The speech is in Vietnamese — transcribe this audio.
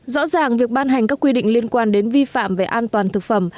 rõ ràng việc ban hành các quy định liên quan đến vi phạm về an toàn thực phẩm